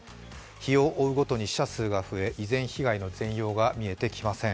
日を追うごとに死者数が増え、依然、被害の全容が見えてきません